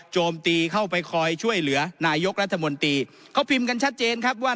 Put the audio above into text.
โจมตีเข้าไปคอยช่วยเหลือนายกรัฐมนตรีเขาพิมพ์กันชัดเจนครับว่า